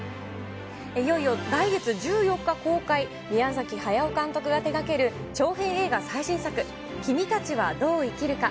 いよいよ来月１４日公開、宮崎駿監督が手がける長編映画最新作、君たちはどう生きるか。